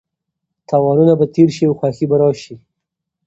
تاوانونه به تېر شي او خوښي به راشي.